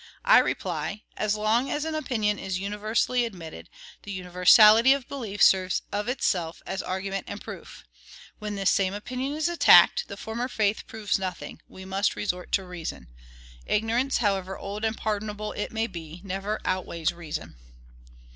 I reply, "As long as an opinion is universally admitted, the universality of belief serves of itself as argument and proof. When this same opinion is attacked, the former faith proves nothing; we must resort to reason. Ignorance, however old and pardonable it may be, never outweighs reason."